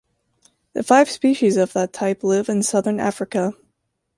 The five species of that type live in southern Africa.